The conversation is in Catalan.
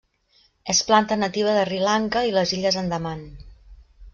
És planta nativa de Sri Lanka i les Illes Andaman.